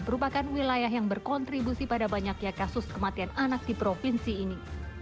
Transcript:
merupakan wilayah yang berkontribusi pada banyaknya kasus kematian anak di provinsi ini